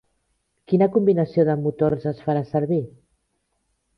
Quina combinació de motors es farà servir?